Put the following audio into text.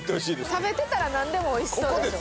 食べてたらなんでも美味しそうでしょ。